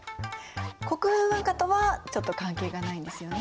国風文化とはちょっと関係がないですよね。